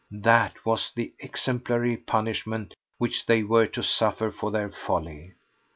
That was the exemplary punishment which they were to suffer for their folly.